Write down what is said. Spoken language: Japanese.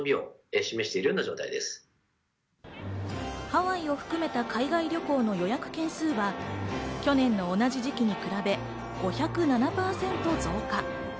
ハワイを含めた海外旅行の予約件数は去年の同じ時期に比べ５０７％増加。